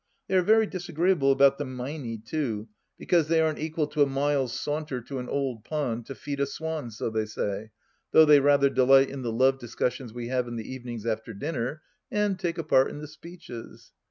They are very disagreeable about, the Meinie, too, because THE LAST DITCH 73 they aren't equal to a mile's saunter to an old pond to feed a swan, so they say, though they rather delight in the Love discussions we have in the evenings after dinner, and take a part in the speeches.